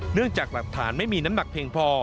เนื่องจากหลักฐานไม่มีน้ำหนักเพ็งพอ